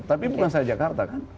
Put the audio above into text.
tapi bukan saya jakarta kan